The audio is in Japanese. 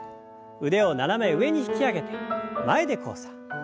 腕を斜め上に引き上げて前で交差。